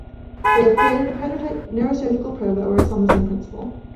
They have created a prototype neurosurgical probe that works on the same principle.